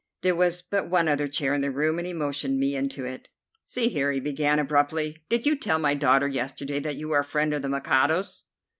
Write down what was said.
There was but one other chair in the room, and he motioned me into it. "See here!" he began abruptly. "Did you tell my daughter yesterday that you were a friend of the Mikado's?"